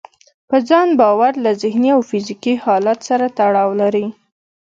په ځان باور له ذهني او فزيکي حالت سره تړاو لري.